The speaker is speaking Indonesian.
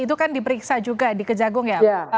itu kan diperiksa juga di kejagung ya